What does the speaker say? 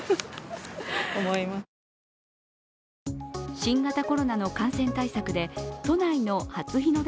新型コロナの感染対策で都内の初日の出